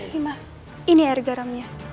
ini mas ini air garamnya